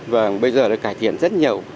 vâng bây giờ đã cải thiện rất nhiều